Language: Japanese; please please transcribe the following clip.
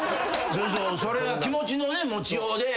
それは気持ちの持ちようで。